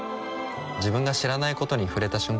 自分が知らないことに触れた瞬間